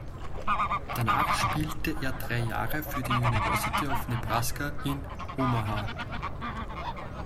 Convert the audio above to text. Danach spielte er drei Jahre für die University of Nebraska in Omaha.